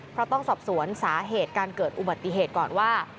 เพราะต้องสอบสวนสาเหตุการเกิดอุบัติเหตุก่อนว่า